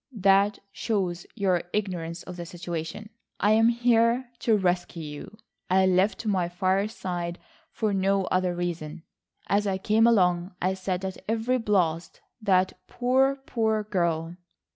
"That shows your ignorance of the situation. I am here to rescue you. I left my fireside for no other reason. As I came along I said at every blast, 'that poor, poor girl.